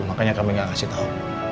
makanya kami gak kasih tau